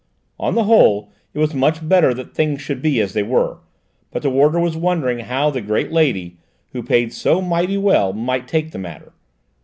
On the whole, it was much better that things should be as they were, but the warder was wondering how the great lady, who paid so mighty well, might take the matter.